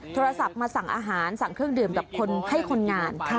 โทรศัพท์มาสั่งอาหารสั่งเครื่องดื่มกับคนให้คนงาน